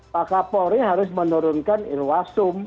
pak kapolri harus menurunkan irwasum